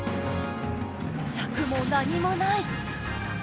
柵も何もない。